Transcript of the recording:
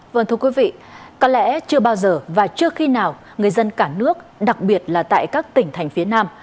vâng thưa quý vị có lẽ chưa bao giờ và chưa khi nào người dân cả nước đặc biệt là tại các tỉnh thành phía nam